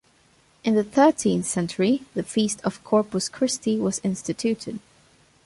In the thirteenth century, the Feast of Corpus Christi was instituted.